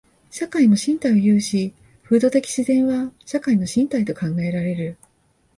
社会も身体を有し、風土的自然は社会の身体と考えられる。